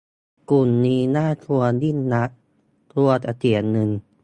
กลุ่มนี้น่ากลัวยิ่งนัก กลัวจะเสียเงิน